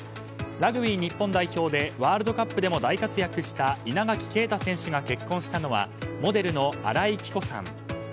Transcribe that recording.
ラグビー日本代表でワールドカップでも大活躍した稲垣啓太選手が結婚したのはモデルの新井貴子さん。